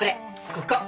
ここ。